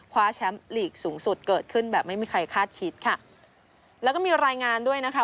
คว้าแชมป์ลีกสูงสุดเกิดขึ้นแบบไม่มีใครคาดคิดค่ะแล้วก็มีรายงานด้วยนะคะ